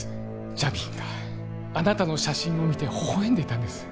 ジャミーンがあなたの写真を見てほほえんでいたんです